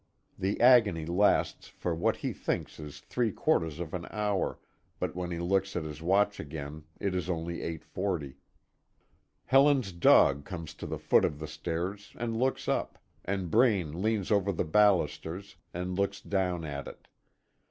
The agony lasts for what he thinks is three quarters of an hour, but when he looks at his watch again, it is only 8:40. Helen's dog comes to the foot of the stairs, and looks up, and Braine leans over the balusters, and looks down at it.